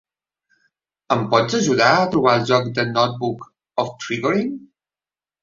Em pot ajudar a trobar el joc The Notebook of Trigorin?